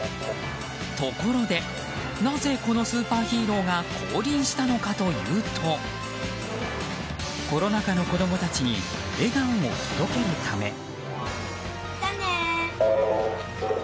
ところでなぜこのスーパーヒーローが降臨したのかというとコロナ禍の子供たちに笑顔を届けるため。